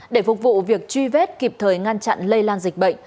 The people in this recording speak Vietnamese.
để phục vụ việc truy vết kịp thời ngăn chặn lây lan dịch bệnh